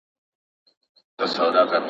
تشبیهات د ده په شعر کې په طبیعي ډول راغلي.